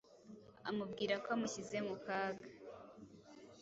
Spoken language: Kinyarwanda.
amubwira ko amushyize mu kaga